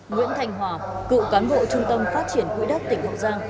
nguyễn thành hòa cựu cán bộ trung tâm phát triển quỹ đất tỉnh hậu giang